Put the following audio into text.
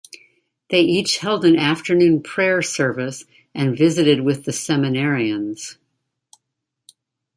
They each led an afternoon prayer service and visited with the seminarians.